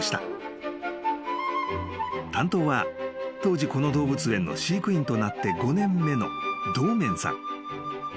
［担当は当時この動物園の飼育員となって５年目の堂面さん］